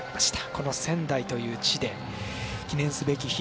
この仙台という地で記念すべき日。